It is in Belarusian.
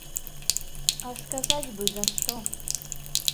А сказаць бы, за што?